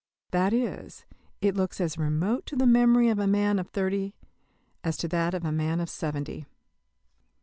That is, it looks as remote to the memory of a man of thirty as to that of a man of seventy.